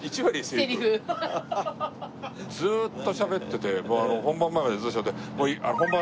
ずーっとしゃべってて本番前までずっとしゃべってて。